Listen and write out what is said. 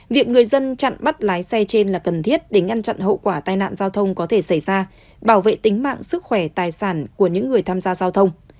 việc người dân chặn bắt lái xe trên là cần thiết để ngăn chặn hậu quả tai nạn giao thông có thể xảy ra bảo vệ tính mạng sức khỏe tài sản của những người tham gia giao thông